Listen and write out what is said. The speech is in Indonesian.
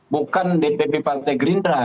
bukan dpp partai gerindra